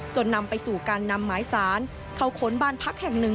นำไปสู่การนำหมายสารเข้าค้นบ้านพักแห่งหนึ่ง